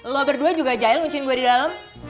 lo berdua juga jahil ngunciin gue di dalam